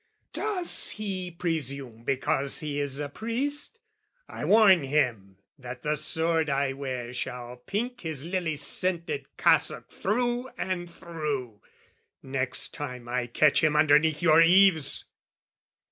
"Does he presume because he is a priest? "I warn him that the sword I wear shall pink "His lily scented cassock through and through, "Next time I catch him underneath your eaves!"